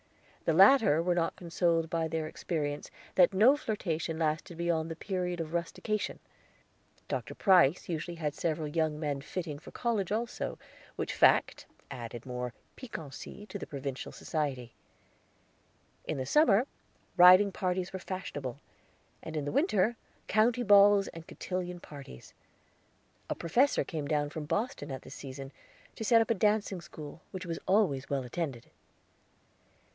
The latter were not consoled by their experience that no flirtation lasted beyond the period of rustication. Dr. Price usually had several young men fitting for college also, which fact added more piquancy to the provincial society. In the summer riding parties were fashionable, and in the winter county balls and cotillion parties; a professor came down from Boston at this season to set up a dancing school, which was always well attended.